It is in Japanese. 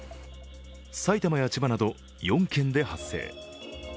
埼玉や千葉など４県で発生。